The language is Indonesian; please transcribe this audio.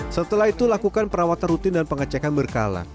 setelah itu lakukan perawatan rutin dan pengecekan berkala